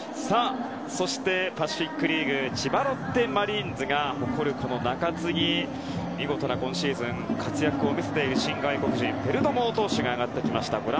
そして、パシフィック・リーグ千葉ロッテマリーンズが誇る中継ぎ、見事な今シーズン活躍を見せている新外国人のペルドモ投手が上がってきました。